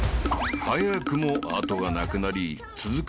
［早くも後がなくなり続く